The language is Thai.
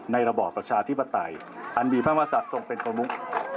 ระบอบประชาธิปไตยอันมีพระมศัตว์ทรงเป็นประมุก